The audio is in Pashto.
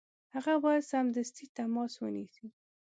هغه باید سمدستي تماس ونیسي.